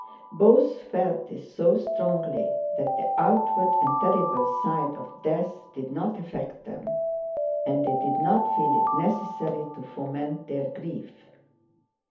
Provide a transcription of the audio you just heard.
Both felt this so strongly that the outward and terrible side of death did not affect them and they did not feel it necessary to foment their grief.